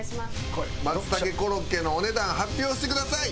松茸コロッケのお値段発表してください！